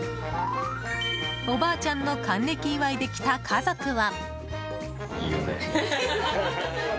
おばあちゃんの還暦祝いで来た家族は。